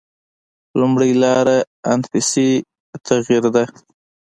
لومړۍ لاره انفسي تغییر ده.